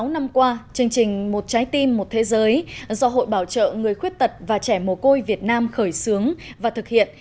sáu năm qua chương trình một trái tim một thế giới do hội bảo trợ người khuyết tật và trẻ mồ côi việt nam khởi xướng và thực hiện